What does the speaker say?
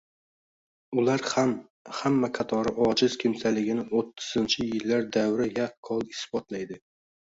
ular ham hamma qatori ojiz kimsaligini o‘ttizinchi yillar davri yaqqol isbotlaydi.